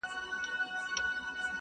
ککرۍ به ماتوي د مظلومانو-